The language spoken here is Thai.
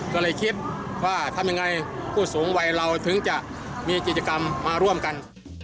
ก็เลยคิดว่าทำยังไงผู้สูงวัยเราถึงจะมีกิจกรรมมาร่วมกัน